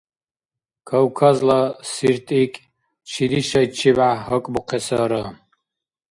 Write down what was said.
Кавказла сиртикӀ чиди шайчибяхӀ гьакӀбухъесара?